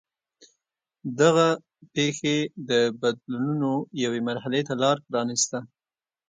دغه پېښې د بدلونونو یوې مرحلې ته لار پرانېسته.